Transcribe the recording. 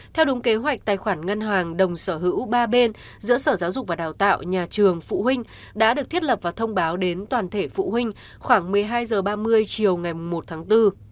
theo đúng kế hoạch tài khoản ngân hàng đồng sở hữu ba bên giữa sở giáo dục và đào tạo nhà trường phụ huynh đã được thiết lập và thông báo đến toàn thể phụ huynh khoảng một mươi hai h ba mươi chiều ngày một tháng bốn